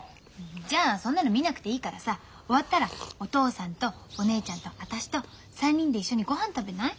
じゃあそんなの見なくていいからさ終わったらお父さんとお姉ちゃんと私と３人で一緒にごはん食べない？